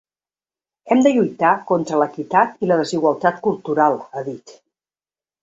Hem de lluitar contra l’equitat i la desigualtat cultural, ha dit.